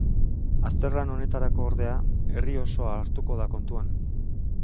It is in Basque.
Azterlan honetarako, ordea, herri osoa hartuko da kontuan.